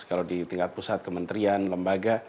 kalau di tingkat pusat kementerian lembaga